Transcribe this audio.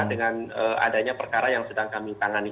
dengan adanya perkara yang sedang kami tangani